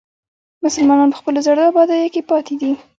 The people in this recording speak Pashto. مسلمانان په خپلو زړو ابادیو کې پاتې دي.